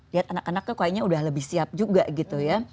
lihat anak anaknya kayaknya udah lebih siap juga gitu ya